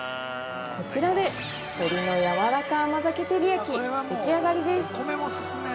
こちらで鶏のやわらか甘酒照り焼きでき上がりです。